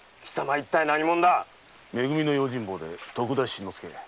いったい何者だ⁉め組の用心棒で徳田新之助。